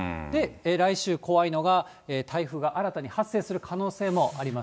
来週怖いのが、台風が新たに発生する可能性もあります。